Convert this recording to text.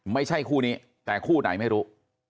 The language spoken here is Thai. ไม่ใช่คู่นี้แต่คู่ไหนไม่รู้